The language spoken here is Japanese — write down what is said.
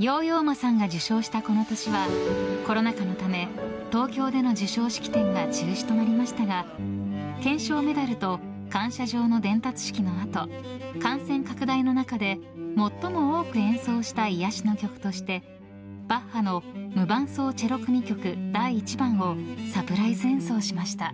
ヨーヨー・マさんが受賞したこの年はコロナ禍のため東京での授賞式展が中止となりましたが顕彰メダルと感謝状の伝達式のあと感染拡大の中で最も多く演奏した癒やしの曲としてバッハの「無伴奏チェロ組曲第１番」をサプライズ演奏しました。